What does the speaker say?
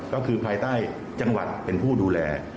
ก็คือภายใต้จังหวัดเป็นผู้ดูแล